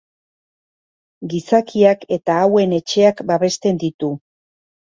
Gizakiak eta hauen etxeak babesten ditu.